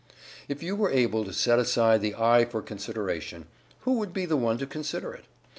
If you were able to set aside the "I" for consideration, who would be the one to consider it?